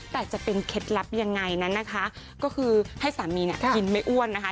แต่จะเป็นเคล็ดลับยังไงนั้นนะคะก็คือให้สามีเนี่ยกินไม่อ้วนนะคะ